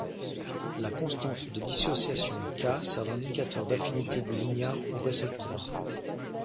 La constante de dissociation K sert d'indicateur d'affinité du ligand au récepteur.